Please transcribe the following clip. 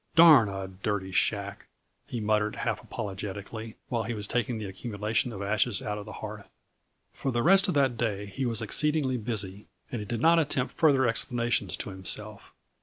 "Darn a dirty shack!" he muttered, half apologetically, while he was taking the accumulation of ashes out of the hearth. For the rest of that day he was exceedingly busy, and he did not attempt further explanations to himself.